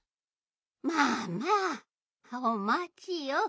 まあまあおまちよ。